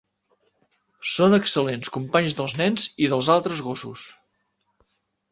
Són excel·lents companys dels nens i dels altres gossos.